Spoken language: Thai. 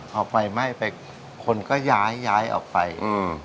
พอไฟไหม้ไปคนก็ย้ายย้ายออกไปอืม